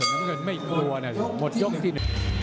เหมือนกันไม่กลัวนะหมดยกสิน